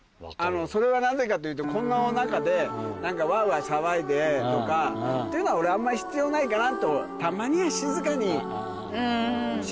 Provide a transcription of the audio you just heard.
それはなぜかというとこの中で何かワワ騒いでとかっていうのは俺あんまり必要ないかなと。っていうね。